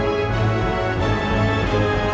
jadilah sampai mengauk